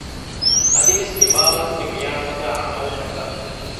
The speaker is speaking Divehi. އަދިވެސް މިބާވަތުގެ ވިޔާނުދާ ޢަމަލުތަކަށް